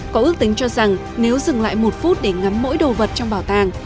có ước tính cho rằng nếu dừng lại một phút để ngắm mỗi đồ vật trong bảo tàng